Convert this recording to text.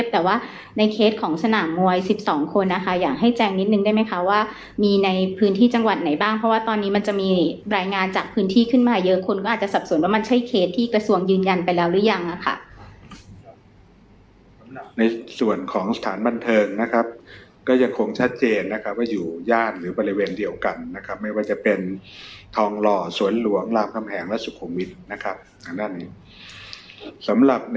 แต่ว่าในเคสของสนามมวยสิบสองคนนะคะอยากให้แจ้งนิดหนึ่งได้ไหมคะว่ามีในพื้นที่จังหวัดไหนบ้างเพราะว่าตอนนี้มันจะมีรายงานจากพื้นที่ขึ้นมาเยอะคนก็อาจจะสับสนว่ามันใช่เคสที่กระทรวงยืนยันไปแล้วหรือยังนะคะในส่วนของสถานบันเทิงนะครับก็จะคงชัดเจนนะครับว่าอยู่ย่านหรือบริเวณเดียวกันนะครับไม่ว่าจะ